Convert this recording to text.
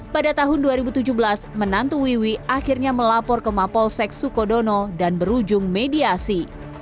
pada tahun dua ribu tujuh belas menantu wiwi akhirnya melapor ke mapolsek sukodono dan berujung mediasi